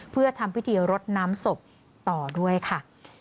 เพื่อทำพิธีรดน้ำศพต่อด้วยค่ะ